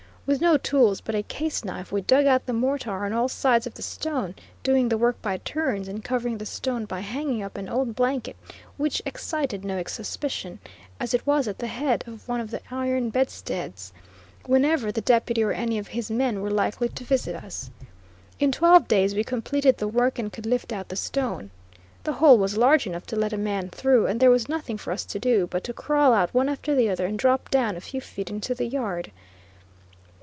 With no tools but a case knife we dug out the mortar on all sides of the stone doing the work by turns and covering the stone by hanging up an old blanket which excited no suspicion, as it was at the head of one of the iron bedsteads whenever the Deputy or any of his men were likely to visit us. In twelve days we completed the work, and could lift out the stone. The hole was large enough to let a man through, and there was nothing for us to do but to crawl out one after the other and drop down a few feet into the yard.